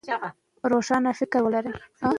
انګریزان غواړي چي پر دې لاره کنټرول ولري.